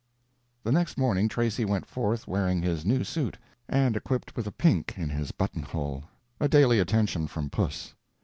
The next morning Tracy went forth wearing his new suit, and equipped with a pink in his button hole—a daily attention from Puss.